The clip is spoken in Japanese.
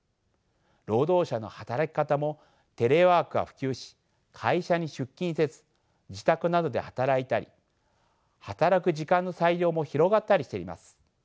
労働者の働き方もテレワークが普及し会社に出勤せず自宅などで働いたり働く時間の裁量も広がったりしています。